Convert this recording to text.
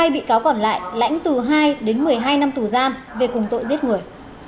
hai mươi bị cáo còn lại lãnh từ hai đến một mươi hai năm tù giam về cùng tội giết người